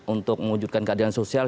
untuk mengujudkan keadaan sosial